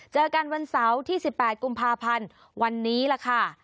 เจอกันวันเสาร์ที่๑๘กุมภาพันธ์วันนี้ล่ะค่ะ